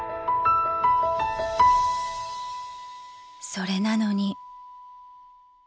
［それなのに］